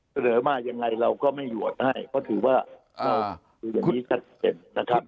เสนอมายังไงเราก็ไม่โหวตให้เพราะถือว่าเราดูอย่างนี้ชัดเจนนะครับ